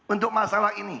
untuk masalah ini